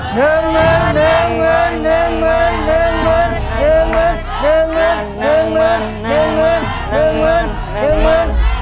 ๑หมื่นบาท